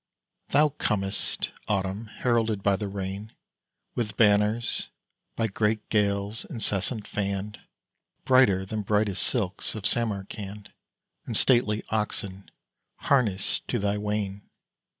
Thou comest, Autumn, heralded by the rain, With banners, by great gales incessant fanned, Brighter than brightest silks of Samarcand, And stately oxen harnessed to thy wain!